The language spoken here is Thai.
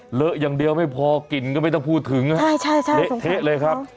เหลืออย่างเดียวไม่พอกลิ่นก็ไม่ต้องพูดถึงเละเทะเลยครับ